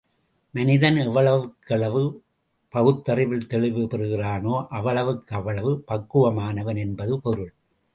மனிதன் எவ்வளவுக்கெவ்வளவு பகுத்தறிவில் தெளிவு பெறுகின்றானோ அவ்வளவுக்கவ்வளவு பக்குவமானவன் என்பது பொருள்.